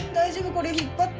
これ引っ張って。